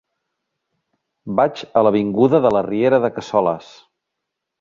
Vaig a l'avinguda de la Riera de Cassoles.